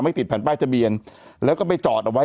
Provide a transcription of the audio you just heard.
ติดแผ่นป้ายทะเบียนแล้วก็ไปจอดเอาไว้